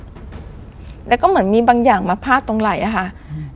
แล้วก็เหมือนมีบางอย่างมาพาดตรงไหล่อ่ะค่ะอืม